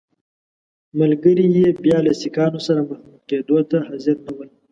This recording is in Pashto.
ملګري یې بیا له سیکهانو سره مخامخ کېدو ته حاضر نه ول.